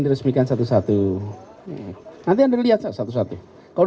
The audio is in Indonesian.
f pertimbangan kerja akademi